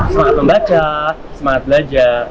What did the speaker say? semangat membaca semangat belajar